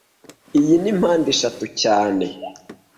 Iyi ni mpandeshatu cyane